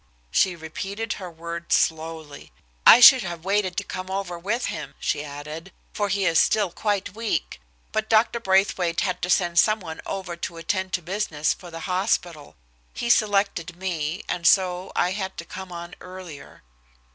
She repeated her words slowly. "I should have waited to come over with him," she added, "for he is still quite weak, but Dr. Braithwaite had to send some one over to attend to business for the hospital. He selected me, and so I had to come on earlier."